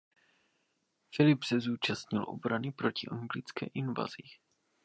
Filip se zúčastnil obrany proti anglické invazi.